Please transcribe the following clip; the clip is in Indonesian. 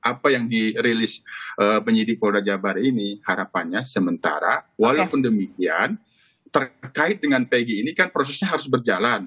apa yang dirilis penyidik polda jabar ini harapannya sementara walaupun demikian terkait dengan pg ini kan prosesnya harus berjalan